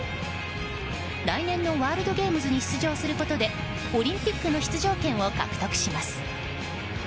来年のワールドゲームズに出場することでオリンピックの出場権を獲得します。